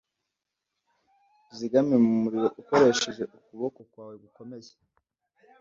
uzigame mu muriro ukoresheje ukuboko kwawe gukomeye